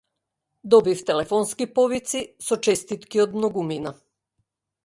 Добив телефонски повици со честитки од многумина.